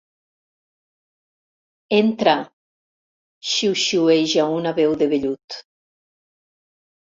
Entra! —xiuxiueja una veu de vellut.